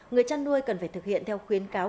người chăn nuôi cần phải thực hiện theo khuyến cáo